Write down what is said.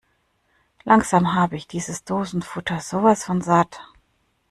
Langsam habe ich dieses Dosenfutter sowas von satt!